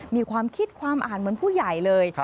มีความคิดความอ่านเหมือนผู้ใหญ่เลย